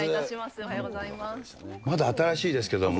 おはようまだ新しいですけども。